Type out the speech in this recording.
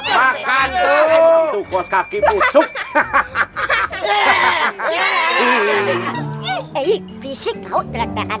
makanya tuh kaki musuk hahaha